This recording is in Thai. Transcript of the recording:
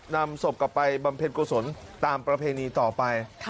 นำศพกลับไปบำเพ็ญกุศลตามประเพณีต่อไป